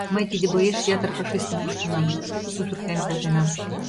Мый тиде боеш ятыр фашистым пуштынам, шуко сусыртен колтенам.